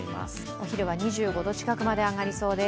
お昼は２５度近くまで上がりそうです。